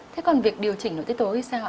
thế còn việc điều chỉnh nỗi tiết tố thì sao ạ